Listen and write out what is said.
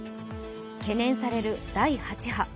懸念される第８波。